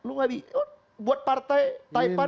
lu buat partai taipan